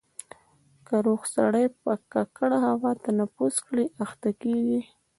که روغ سړی په ککړه هوا تنفس کړي اخته کېږي.